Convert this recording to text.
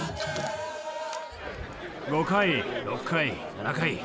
５回６回７回。